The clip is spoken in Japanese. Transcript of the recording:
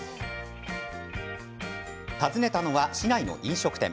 訪ねたのは、市内の飲食店。